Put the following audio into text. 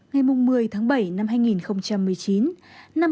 ngày một mươi tháng bảy năm hai nghìn một mươi chín